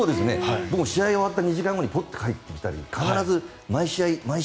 僕も試合が終わった２時間後ぐらいにポッと返ってきて必ず、毎試合。